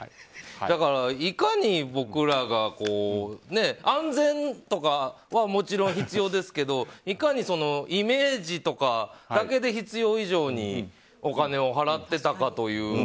だから僕らが安全とかはもちろん必要ですけどいかにイメージとかだけで必要以上にお金を払っていたかという。